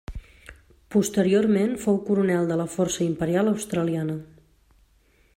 Posteriorment fou coronel de la Força Imperial australiana.